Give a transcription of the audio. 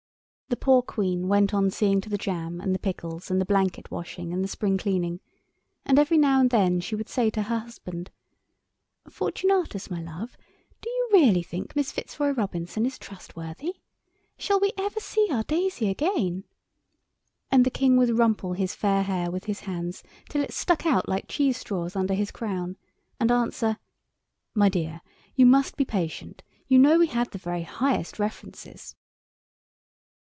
The poor Queen went on seeing to the jam and the pickles and the blanket washing and the spring cleaning, and every now and then she would say to her husband— "Fortunatus, my love, do you really think Miss Fitzroy Robinson is trustworthy? Shall we ever see our Daisy again?" And the King would rumple his fair hair with his hands till it stuck out like cheese straws under his crown, and answer— "My dear, you must be patient; you know we had the very highest references."